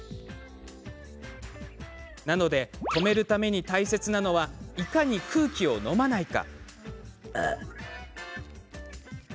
なので、止めるために大切なのはいかに空気を飲まないか。